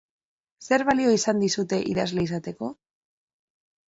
Zer balio izan dizute idazle izateko?